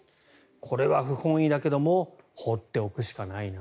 これは不本意だけども放っておくしかないな。